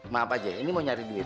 maaf aja ini mau nyari duit